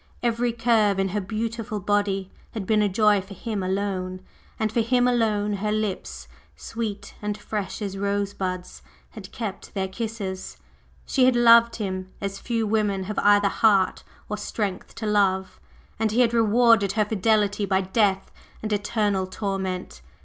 Every curve in her beautiful body had been a joy for him alone; and for him alone her lips, sweet and fresh as rosebuds, had kept their kisses. She had loved him as few women have either heart or strength to love, and he had rewarded her fidelity by death and eternal torment!